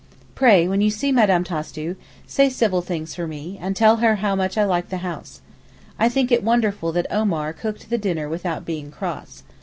Pray, when you see Mme. Tastu, say civil things for me, and tell her how much I like the house. I think it wonderful that Omar cooked the dinner without being cross.